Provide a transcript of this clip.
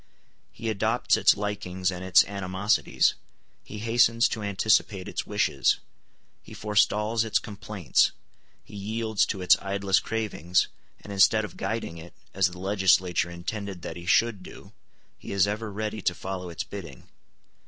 He adopts its likings and its animosities, he hastens to anticipate its wishes, he forestalls its complaints, he yields to its idlest cravings, and instead of guiding it, as the legislature intended that he should do, he is ever ready to follow its bidding.